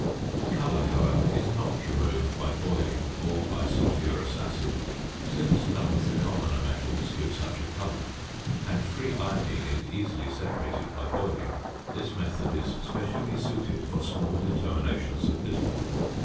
The colour, however, is not removed by boiling or by sulphurous acid. Since none of the commoner metals give such a colour, and free iodine is easily separated by boiling, this method is specially suited for small determinations of bismuth.